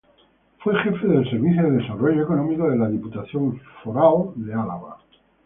Fue jefe del Servicio de Desarrollo Económico de la Diputación Foral de Álava.